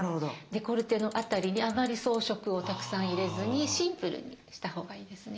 デコルテの辺りにあまり装飾をたくさん入れずにシンプルにしたほうがいいですね。